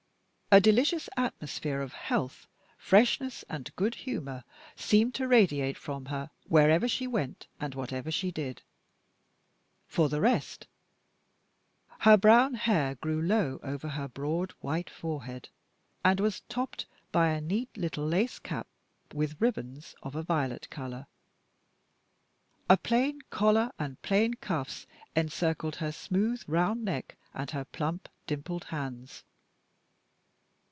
A delicious atmosphere of health, freshness, and good humor seemed to radiate from her wherever she went and whatever she did. For the rest her brown hair grew low over her broad white forehead, and was topped by a neat little lace cap with ribbons of a violet color. A plain collar and plain cuffs encircled her smooth, round neck, and her plump dimpled hands.